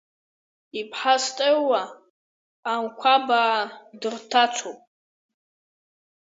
Иԥҳа Стелла Амқәабаа дырҭацоуп.